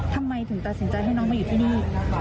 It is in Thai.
ทำไมถึงตัดสินใจให้น้องมาอยู่ที่นี่